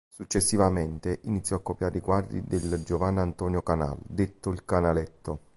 Successivamente iniziò a copiare i quadri del Giovanni Antonio Canal, detto il Canaletto.